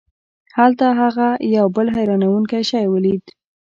هلته هغه یو بل حیرانوونکی شی ولید.